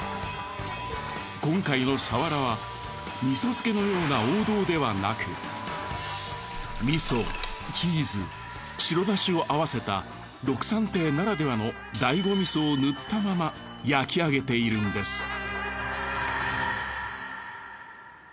今回のサワラは味噌漬けのような王道ではなく味噌チーズ白だしを合わせたろくさん亭ならではの醍醐味噌をぬったまま焼き上げているんです。